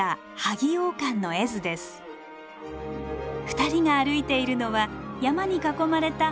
二人が歩いているのは山に囲まれた